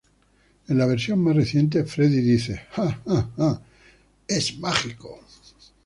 En la versión más reciente, Freddie dice "Ha, ha, ha, ha... It's magic!